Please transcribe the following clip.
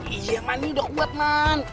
iya ini udah kuat man